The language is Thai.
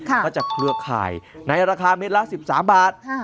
ก็จะเครือข่ายในราคาเม็ดละ๑๓บาท